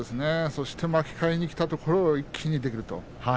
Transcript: そして巻き替えにいったところを一気に出る。